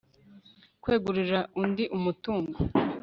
kwegurira undi umutungo